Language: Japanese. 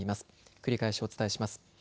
繰り返しお伝えします。